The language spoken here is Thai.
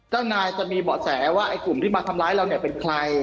เจ้านายจะมีเบาะแสว่าไอ้กลุ่มที่มาทำร้ายเราเนี่ยเป็นใคร